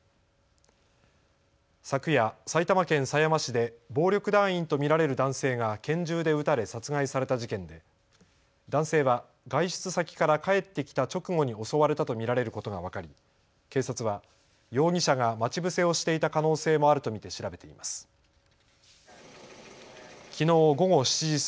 昨夜、埼玉県狭山市で暴力団員と見られる男性が拳銃で撃たれ殺害された事件で男性は外出先から帰ってきた直後に襲われたと見られることが分かり、警察は容疑者が待ち伏せをしていた可能性もあると見て調べています。